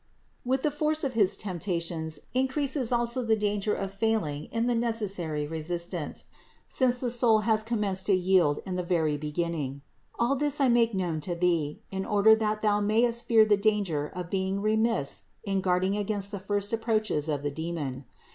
With the force of his temptations increases also the danger of failing in the necessary resistance, since the soul has commenced to yield in the very beginning. All this I make known to thee, in order that thou mayest fear the danger of being remiss in guarding against the first approaches of the demon.